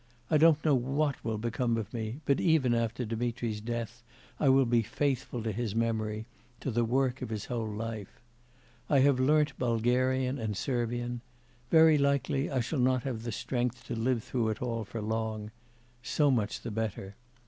I don't know what will become of me, but even after Dmitri's death, I will be faithful to his memory, to the work of his whole life. I have learnt Bulgarian and Servian. Very likely, I shall not have strength to live through it all for long so much the better.